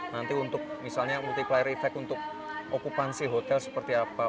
nanti untuk misalnya multiplier effect untuk okupansi hotel seperti apa